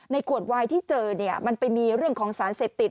ขวดวายที่เจอมันไปมีเรื่องของสารเสพติด